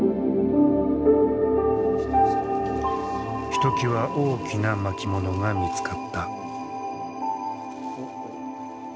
ひときわ大きな巻物が見つかった。